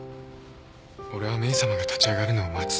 俺はメイさまが立ち上がるのを待つ。